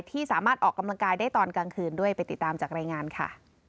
ที่สามารถออกกำลังกายได้ตอนกลางคืนด้วยไปติดตามจากรายงานค่ะ